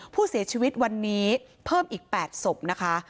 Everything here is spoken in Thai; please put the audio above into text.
ผู้เสียชีวิตวันนี้เพิ่มอีก๘ศพนะคะ